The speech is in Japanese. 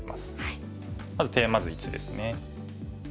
まずテーマ図１ですね。